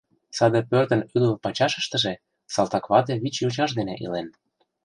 Саде пӧртын ӱлыл пачашыштыже салтаквате вич йочаж дене илен.